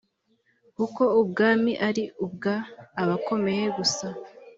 kuko ubwami ari ubwa abakomeye gusa